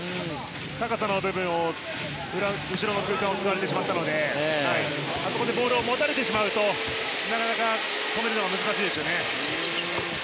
高さの部分で後ろの空間を使われてしまったのであそこでボールを持たれるとなかなか止めるのが難しいですね。